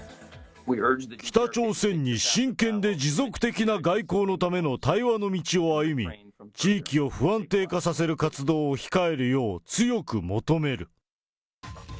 北朝鮮に真剣で持続的な外交のための対話の道を歩み、地域を不安定化させる活動を控えるよう強く求める。